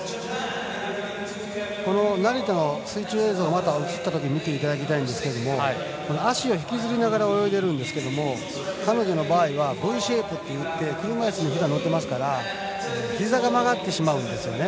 成田の水中映像が映ったときに見ていただきたいんですけども足を引きずりながら泳いでるんですけども彼女の場合はＶシェイプといって車いすにひざが乗っていますからひざが曲がってしまうんですね。